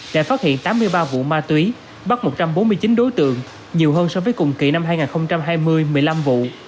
đã phát hiện tám mươi ba vụ ma túy bắt một trăm bốn mươi chín đối tượng nhiều hơn so với cùng kỳ năm hai nghìn hai mươi một mươi năm vụ